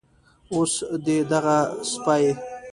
اوس دې دغه سپي